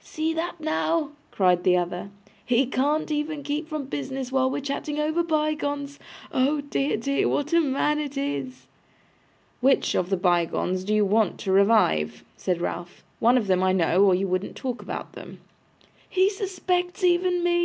'See that now!' cried the other. 'He can't even keep from business while we're chatting over bygones. Oh dear, dear, what a man it is!' 'WHICH of the bygones do you want to revive?' said Ralph. 'One of them, I know, or you wouldn't talk about them.' 'He suspects even me!